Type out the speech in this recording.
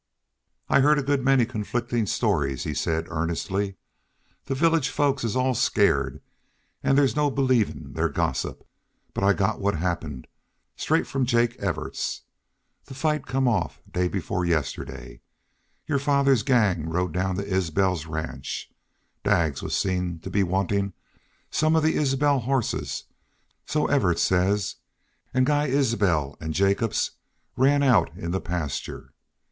"I heerd a good many conflictin' stories," he said, earnestly. "The village folks is all skeered an' there's no believin' their gossip. But I got what happened straight from Jake Evarts. The fight come off day before yestiddy. Your father's gang rode down to Isbel's ranch. Daggs was seen to be wantin' some of the Isbel hosses, so Evarts says. An' Guy Isbel an' Jacobs ran out in the pasture.